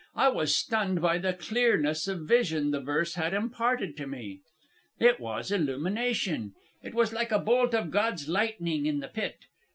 I was stunned by the clearness of vision the verse had imparted to me. It was illumination. It was like a bolt of God's lightning in the Pit.